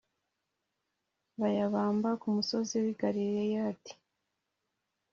bayabamba ku musozi w i Galeyadi